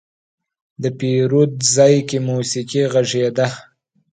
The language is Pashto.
د پیرود ځای کې موسيقي غږېده.